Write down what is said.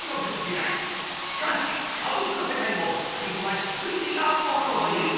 しかし歌舞伎の世界も最後は出自が物を言う。